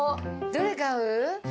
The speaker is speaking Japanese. どれ買う？